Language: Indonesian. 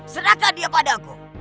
serahkan dia padaku